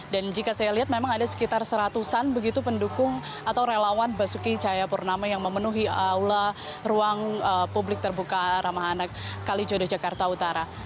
dan jika saya lihat memang ada sekitar seratusan begitu pendukung atau relawan basuki cahaya purnama yang memenuhi aula ruang publik terbuka ramah anak kalijodo jakarta utara